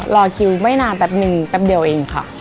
รอคิวไม่นานแป๊บนึงแป๊บเดียวเองค่ะ